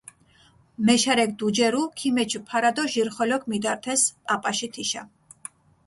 მეშარექ დუჯერუ, ქიმეჩჷ ფარა დო ჟირხოლოქ მიდართეს პაპაში თიშა.